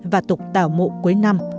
và tục tàu mộ cũng như thế nào